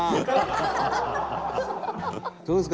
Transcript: どうですか？